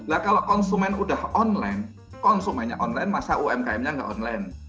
nah kalau konsumen udah online konsumennya online masa umkmnya nggak online